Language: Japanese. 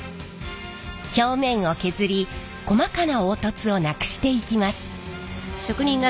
表面を削り細かな凹凸をなくしていきます。